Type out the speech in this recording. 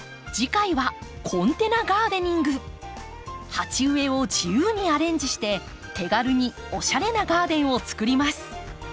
鉢植えを自由にアレンジして手軽におしゃれなガーデンを作ります。